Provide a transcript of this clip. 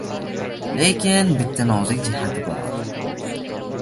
Lekin bitta nozik jihat bor